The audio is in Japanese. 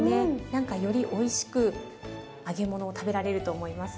何かよりおいしく揚げ物を食べられると思います。